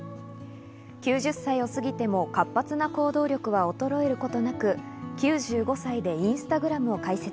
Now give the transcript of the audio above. ９０歳を過ぎても活発な行動力は衰えることなく、９５歳でインスタグラムを開設。